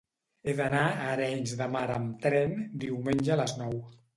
He d'anar a Arenys de Mar amb tren diumenge a les nou.